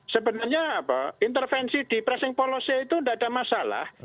sebenarnya intervensi di pressing policy itu tidak ada masalah